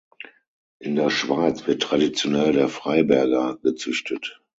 In der Schweiz wird traditionell der Freiberger gezüchtet.